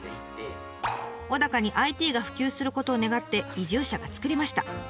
小高にＩＴが普及することを願って移住者が作りました。